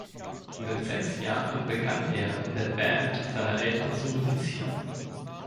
Mit sechs Jahren begann er, in der Band seiner Eltern zu musizieren.